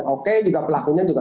oke pelakunya juga